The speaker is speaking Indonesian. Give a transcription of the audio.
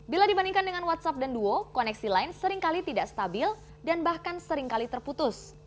bila dibandingkan dengan whatsapp dan duo koneksi lain seringkali tidak stabil dan bahkan seringkali terputus